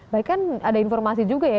baik kan ada informasi juga ya